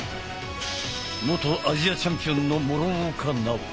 元アジアチャンピオンの諸岡奈央。